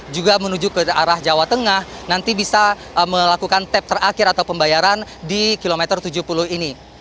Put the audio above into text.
juga menuju ke arah jawa tengah nanti bisa melakukan tap terakhir atau pembayaran di kilometer tujuh puluh ini